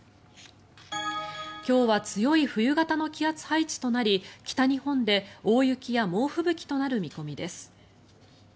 今日は強い冬型の気圧配置となり北日本で大雪や猛吹雪となる見込みです。